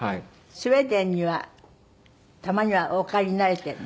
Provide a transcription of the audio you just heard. スウェーデンにはたまにはお帰りになれているの？